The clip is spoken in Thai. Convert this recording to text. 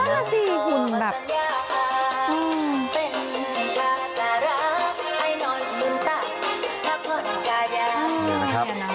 นั่นล่ะสิคุณแบบ